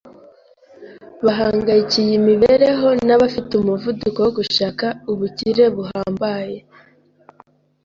bahangayikiye imibereho n’abafite umuvuduko wo gushaka ubukirebuhambaye,